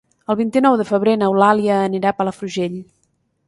El vint-i-nou de febrer n'Eulàlia anirà a Palafrugell.